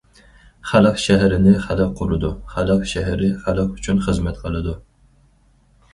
خەلق شەھىرىنى خەلق قۇرىدۇ، خەلق شەھىرى خەلق ئۈچۈن خىزمەت قىلىدۇ.